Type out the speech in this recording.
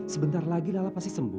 sebentar lagi lala pasti sembuh